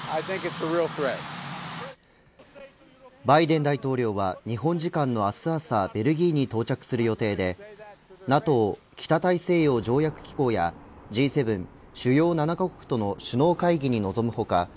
バイデン大統領は日本時間の明日朝ベルギーに到着する予定でＮＡＴＯ北大西洋条約機構やＧ７主要７カ国との首脳会議に臨む他